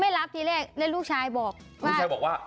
ไม่รับที่แรกแล้วลูกชายบอกว่า